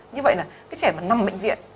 như vậy là cái trẻ mà nằm bệnh viện